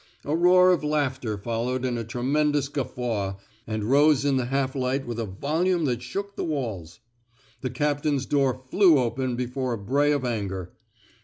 A ro^r of laughter followed in a tremendous guffaw, and rose in the half light with a volume that shook the walls. The captain's door flew open before a bray of anger.